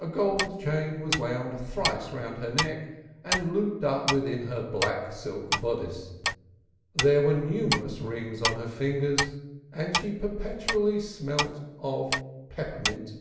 A gold chain was wound thrice round her neck, and looped up within her black silk bodice. There were numerous rings on her fingers, and she perpetually smelt of peppermint.